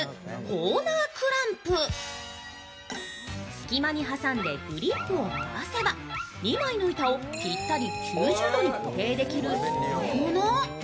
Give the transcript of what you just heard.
隙間に挟んでグリップを回せば２枚の板をぴったり９０度に固定できるすぐれもの。